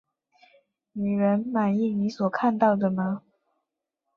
女人，满意你所看到的吗？